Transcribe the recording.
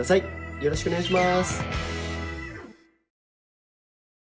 よろしくお願いします。